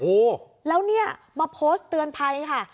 โอ้โหแล้วเนี่ยมาโพสต์เตือนภัยค่ะ